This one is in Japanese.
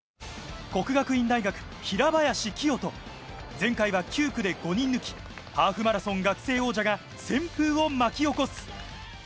國學院大學・平林清澄、前回は９区で５人抜き、ハーフマラソン学生王者が旋風を巻き起こす。